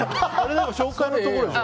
でも紹介のところでしょ？